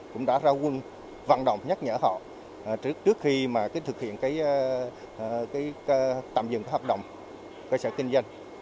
cũng đã ra quân vận động nhắc nhở họ trước khi mà thực hiện tạm dừng các hợp đồng cơ sở kinh doanh